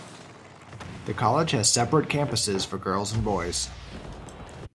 The college has separate campuses for girls and boys.